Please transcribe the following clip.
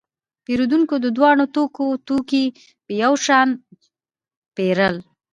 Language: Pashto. پیرودونکو د دواړو تولیدونکو توکي یو شان پیرل.